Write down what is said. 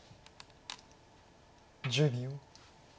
１０秒。